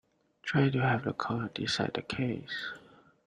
Try to have the court decide the case.